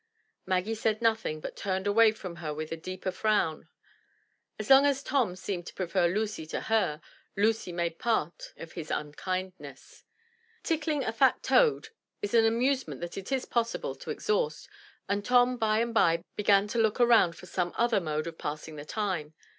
Maggie said nothing but turned away from her with a deeper frown. As long as Tom seemed to prefer Lucy to her, Lucy made part of his unkindness. Tickling a fat toad is an amusement that it is possible to ex haust and Tom by and by began to look around for some other mode of passing the time.